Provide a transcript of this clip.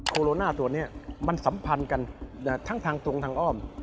โลน่าตัวนี้มันสัมพันธ์กันทั้งทางตรงทางอ้อม